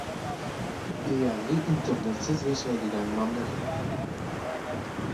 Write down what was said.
Deyarli internetsiz yashaydigan mamlakat